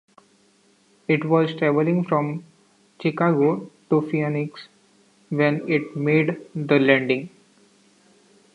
It was traveling from Chicago to Phoenix when it made the landing.